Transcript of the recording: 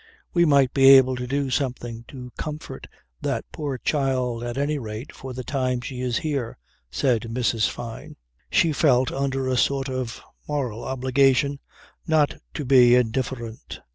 "We might be able to do something to comfort that poor child at any rate for the time she is here," said Mrs. Fyne. She felt under a sort of moral obligation not to be indifferent.